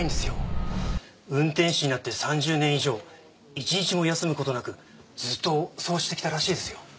運転士になって３０年以上一日も休む事なくずっとそうしてきたらしいですよ。